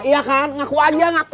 iya kan ngaku aja ngaku